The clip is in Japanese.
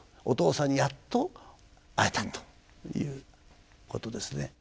お父さんにやっと会えたということですね。